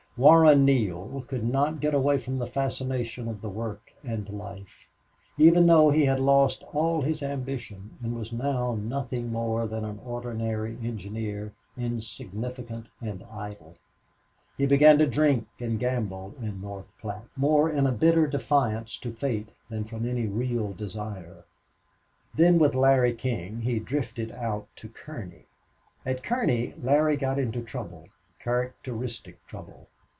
Warren Neale could not get away from the fascination of the work and life, even though he had lost all his ambition and was now nothing more than an ordinary engineer, insignificant and idle. He began to drink and gamble in North Platte, more in a bitter defiance to fate than from any real desire; then with Larry King he drifted out to Kearney. At Kearney, Larry got into trouble characteristic trouble.